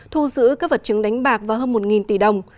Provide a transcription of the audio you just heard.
thu giữ các vật chứng đánh bạc và hơn một tỷ đồng